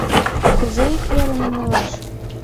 Кузе ик верым умылаш?